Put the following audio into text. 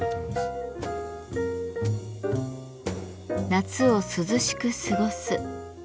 夏を涼しく過ごす。